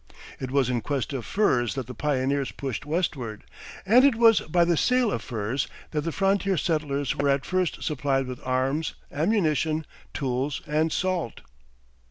It was in quest of furs that the pioneers pushed westward, and it was by the sale of furs that the frontier settlers were at first supplied with arms, ammunition, tools, and salt.